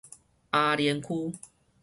阿蓮區